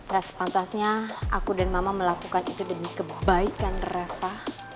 gak sepantasnya aku dan mama melakukan itu demi kebaikan reva